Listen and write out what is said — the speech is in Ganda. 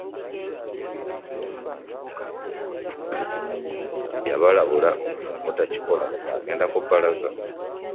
Yabalabula obutakikola nga agenda kubbalaza.